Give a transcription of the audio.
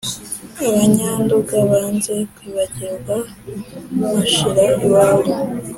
- abanyanduga banze kwibagirwa mashira wabo: